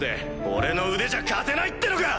俺の腕じゃ勝てないってのか！